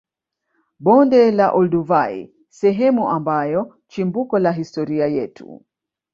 Bonde la olduvai sehemu ambayo chimbuko la historia yetu